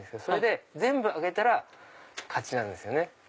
それで全部上げたら勝ちなんです。